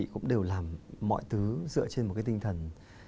cũng đều làm mọi thứ dựa trên một cái tinh thần